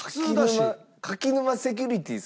柿沼セキュリティー